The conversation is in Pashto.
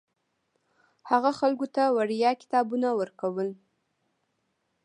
هغه خلکو ته وړیا کتابونه ورکول.